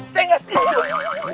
saya gak setuju